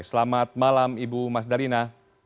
selamat malam ibu mas dalina